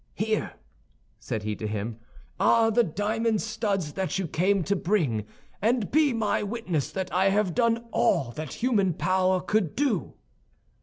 "Here," said he to him, "are the diamond studs that you came to bring; and be my witness that I have done all that human power could do."